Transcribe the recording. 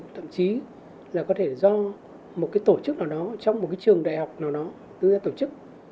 thậm chí là có thể do một cái tổ chức nào đó trong một cái trường đại học nào nó đưa ra tổ chức